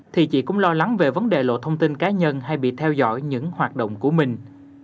thì chị cũng lo lắng về vấn đề lộ thông tin cá nhân hay bị theo dõi những hoạt động của mình